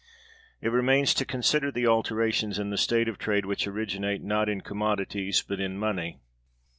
It remains to consider the alterations in the state of trade which originate not in commodities but in money.